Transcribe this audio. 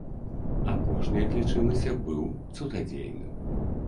Апошні, як лічылася, быў цудадзейным.